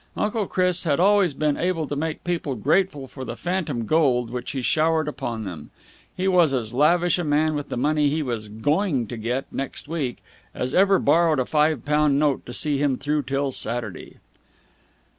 Uncle Chris had always been able to make people grateful for the phantom gold which he showered upon them. He was as lavish a man with the money he was going to get next week as ever borrowed a five pound note to see him through till Saturday.